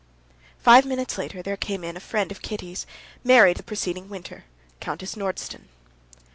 Five minutes later there came in a friend of Kitty's, married the preceding winter, Countess Nordston.